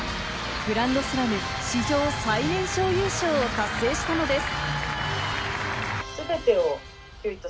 グランドスラム史上最年少優勝を達成したのです。